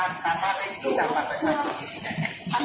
นั่งบ้านอยู่ที่ไหนนะ